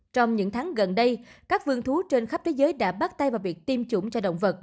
trong những tháng gần đây các vườn thú trên khắp thế giới đã bắt tay vào việc tiêm chủng cho động vật